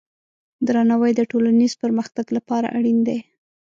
درناوی د ټولنیز پرمختګ لپاره اړین دی.